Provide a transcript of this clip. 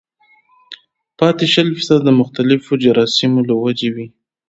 پاتې شل فيصده د مختلفو جراثيمو له وجې وي